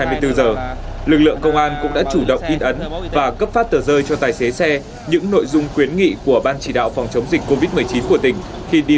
lực lượng công an cũng đã chủ động in ấn và cấp phát tờ rơi cho tài xế xe những nội dung quyến nghị của ban chỉ đạo phòng chống dịch covid một mươi chín của tỉnh khi đi vào địa bàn quảng ngãi